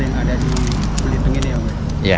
yang ada di belitung ini ya pak